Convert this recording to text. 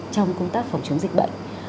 trong công tác phòng chống dịch bệnh